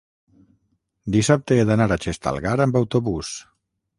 Dissabte he d'anar a Xestalgar amb autobús.